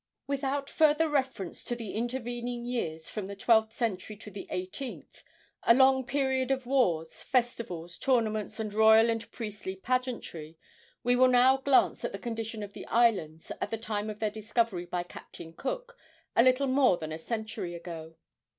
Without further reference to the intervening years from the twelfth century to the eighteenth a long period of wars, festivals, tournaments, and royal and priestly pageantry we will now glance at the condition of the islands at the time of their discovery by Captain Cook, a little more than a century ago.